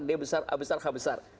d besar a besar h besar